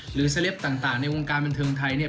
หรือศเลฟต่างในวงการบันท์เทลงไทย